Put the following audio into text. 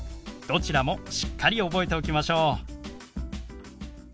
どちらもしっかり覚えておきましょう！